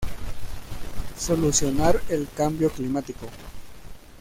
Solucionar el cambio climático.